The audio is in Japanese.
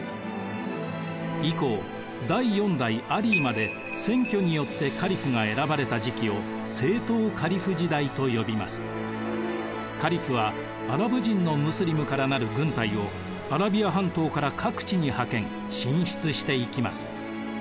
以降第４代アリーまで選挙によってカリフが選ばれた時期をカリフはアラブ人のムスリムから成る軍隊をアラビア半島から各地に派遣進出していきます。